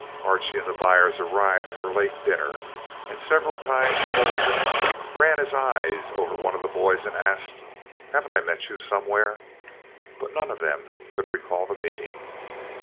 Archie and the buyers arrived for a late dinner, and several times Tolleston ran his eye over one of the boys and asked, 'Haven't I met you somewhere?' but none of them could recall the meeting.